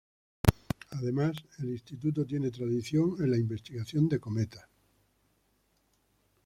Además, el Instituto tiene tradición en la investigación de cometas.